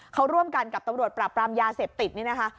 เขาร่วมกันกับตำรวจปราบปรามยาเสพติดนี่นะคะ